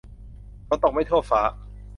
ฝนตกไม่ทั่วฟ้า